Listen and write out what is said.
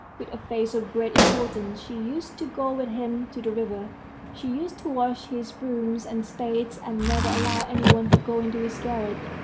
With a face of great importance, she used to go with him to the river; she used to watch his brooms and spades, and never allowed any one to go into his garret.